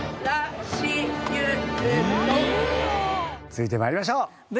続いて参りましょう。